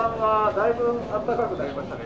だいぶんあったかくなりましたね。